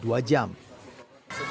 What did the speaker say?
dari jam berapa mas tadi